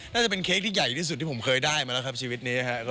น่าจะเป็นเค้กที่ใหญ่ที่สุดที่ผมเคยได้มาแล้วครับชีวิตนี้นะครับ